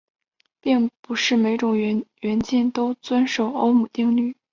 并不是每一种元件都遵守欧姆定律。